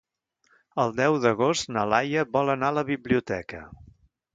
El deu d'agost na Laia vol anar a la biblioteca.